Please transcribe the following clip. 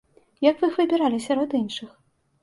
Як вы іх выбіралі сярод іншых?